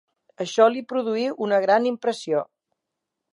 Això li produí una gran impressió.